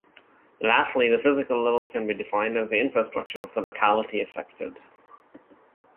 Lastly, the physical level can be defined as the infrastructure of the locality affected.